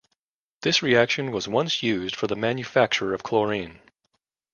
This reaction was once used for the manufacture of chlorine.